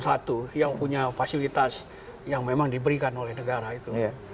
satu yang punya fasilitas yang memang diberikan oleh negara itu